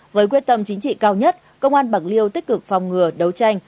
với quyết tâm chính trị cao nhất công an bạc liêu tích cực phòng ngừa đấu tranh